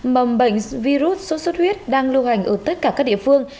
mầm bệnh virus sốt xuất huyết đang lưu hành ở tất cả các địa phương